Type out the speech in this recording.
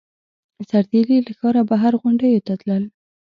سرتېري له ښاره بهر غونډیو ته تلل.